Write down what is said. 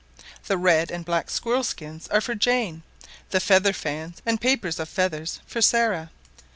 The red and black squirrel skins are for Jane; the feather fans, and papers of feathers, for Sarah.